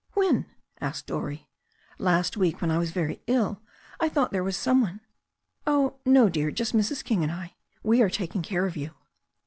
"When?" asked Dorrie. "Last week when I was very ill I thought there was some one." "Oh, no, dear, just Mrs. King and I; we are taking care of you."